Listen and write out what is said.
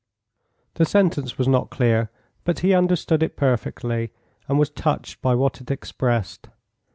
The sentence was not clear, but he understood it perfectly, and was touched by what it expressed.